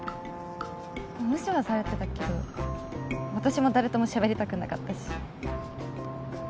無視はされてたけど私も誰ともしゃべりたくなかったし。